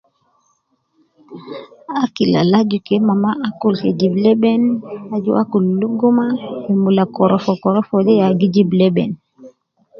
Akil al aju ke mama akul ke jib leben aju uwo akul luguma me mula korofo korofo de ya gi jib leben